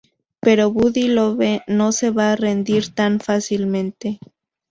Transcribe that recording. Pero Buddy Love no se va a rendir tan fácilmente.